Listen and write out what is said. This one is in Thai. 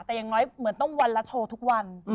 แต่อย่างน้อยเหมือนต้องวันละโชว์ทุกวัน